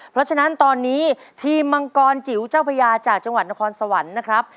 เพราะฉะนั้นตอนนี้ทีมมังกรจิ๋วเจ้าพญาจากจังหวัดนครสวรรค์นะครับ